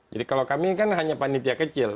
jadi kalau kami kan hanya panitia kecil